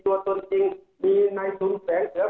การตั้งกฎิกา๘๐บาทเดี๋ยวพ่ออธิบายอีกที